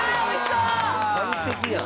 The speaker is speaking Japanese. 完璧やん。